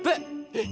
えっ？